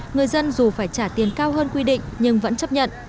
người dân dù phải trả tiền cao hơn quy định nhưng vẫn chấp nhận